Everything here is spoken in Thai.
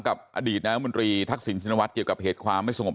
กับอดีตนายมนตรีทักษิณชินวัฒน์เกี่ยวกับเหตุความไม่สงบ